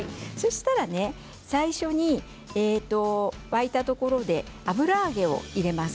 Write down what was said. そうしたら、最初に沸いたところで油揚げを入れます。